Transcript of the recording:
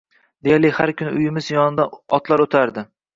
Deyarli har kuni uyimiz yonidan otlar o`tardi